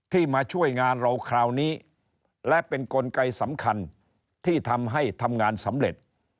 มาช่วยงานเราคราวนี้และเป็นกลไกสำคัญที่ทำให้ทำงานสำเร็จ